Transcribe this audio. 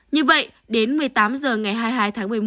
như vậy đến một mươi tám h ngày hai mươi hai tháng một mươi một